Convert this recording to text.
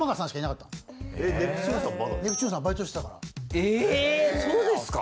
えっそうですか？